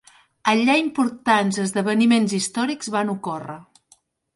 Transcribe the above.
Allà importants esdeveniments històrics van ocórrer.